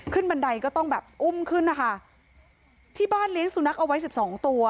บันไดก็ต้องแบบอุ้มขึ้นนะคะที่บ้านเลี้ยงสุนัขเอาไว้สิบสองตัว